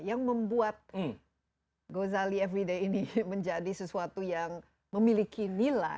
yang membuat gozali everyday ini menjadi sesuatu yang memiliki nilai